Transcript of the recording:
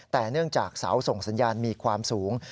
แต่เนื่องจากเสาส่งสัญญาณมีความสูง